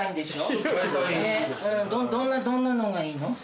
どんなのがいいの？